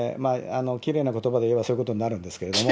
きれいなことばで言えばそういうことになるんですけれども。